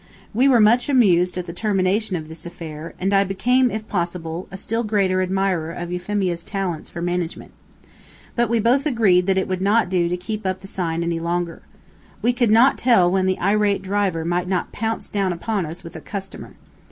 We were much amused at the termination of this affair, and I became, if possible, a still greater admirer of Euphemia's talents for management. But we both agreed that it would not do to keep up the sign any longer. We could not tell when the irate driver might not pounce down upon us with a customer.